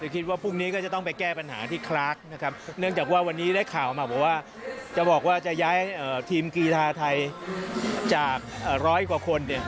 คิดว่าพรุ่งนี้ก็จะต้องไปแก้ปัญหาที่คลากนะครับเนื่องจากว่าวันนี้ได้ข่าวมาบอกว่าจะบอกว่าจะย้ายทีมกีธาไทยจากร้อยกว่าคนเนี่ย